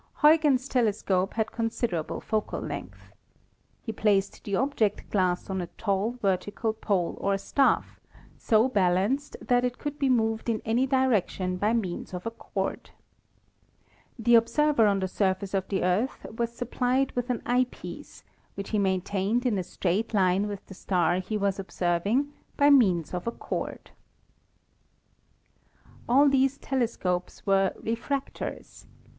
Huygens* telescope had considerable focal length. He placed the object glass on a tall vertical pole or staff so balanced that ^.^j^^^^ ^^^^^ Fig. 1 — Huygens' Aerial Telescope. it could be moved in any direction by means of a cord. The observer on the surface of the Earth was supplied with an eye piece which he maintained in a straight line with the star he was observing by means of a cord. All these telescopes were "refractors."